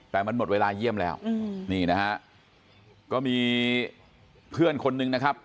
แต่มันหมดเวลาเยี่ยมแล้วนี่นะฮะก็มีเพื่อนคนนึงนะครับ